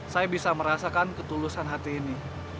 saya bisa merasakan ketulusan hati ini